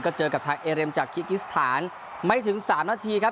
ก็เจอกับทางเอเรมจากคิกิสถานไม่ถึงสามนาทีครับ